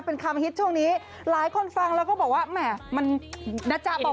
เป็นคำฮิตช่วงนี้หลายคนฟังแล้วก็บอกว่าแหม่มันนะจ๊ะบอก